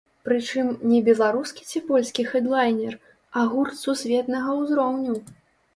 Прычым, не беларускі ці польскі хэдлайнер, а гурт сусветнага ўзроўню.